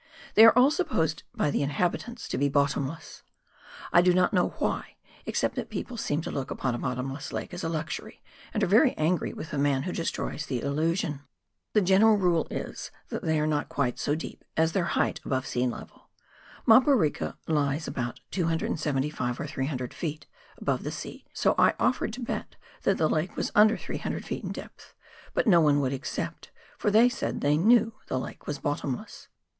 They are all supposed by the inhabitants to be bottomless. I do not know why, except that people seem to look upon a bottomless lake as a luxury, and are very angry with the man who destroys the illusion. The general rule is, that they are not quite so deep as their height above sea level. Maporika lies about 275 or 300 ft. above the sea, so I offered to bet that the lake was under 300 ft. in depth, but no one would accept, for they said they knew the lake was bottomless.